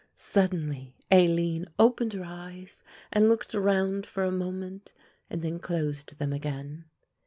Suddenly Aline opened her eyes and looked round for a moment, and then closed them again.